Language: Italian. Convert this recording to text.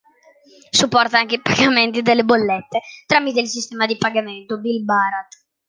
Supporta anche i pagamenti delle bollette tramite il sistema di pagamento Bill Bharat.